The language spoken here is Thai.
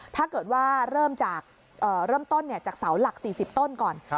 ถ้าเกิดว่าเริ่มจากเริ่มต้นจากเสาหลัก๔๐ต้นก่อน